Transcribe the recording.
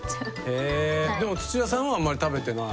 へぇでも土田さんはあんまり食べてない。